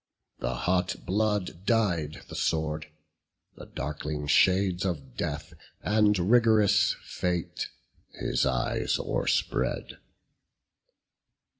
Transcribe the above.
The hot blood dyed the sword; the darkling shades Of death, and rig'rous fate, his eyes o'erspread.